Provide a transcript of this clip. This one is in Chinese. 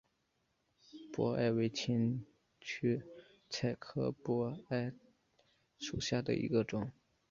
荸艾为千屈菜科荸艾属下的一个种。